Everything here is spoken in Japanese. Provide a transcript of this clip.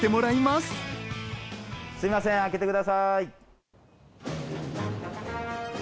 すいません、開けてください。